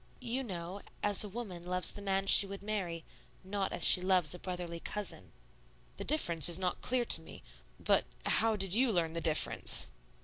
"You know, as a woman loves the man she would marry, not as she loves a brotherly cousin." "The difference is not clear to me but how did you learn the difference?"